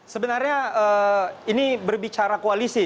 sebenarnya ini berbicara koalisi